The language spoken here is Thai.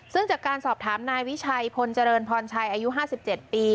ซึ่งจากการสอบถามนายวิชัยพลเจริญพรชัยอายุ๕๗ปี